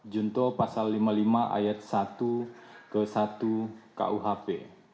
junto pasal lima puluh lima ayat satu ke satu kuhp